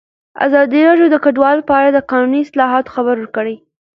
ازادي راډیو د کډوال په اړه د قانوني اصلاحاتو خبر ورکړی.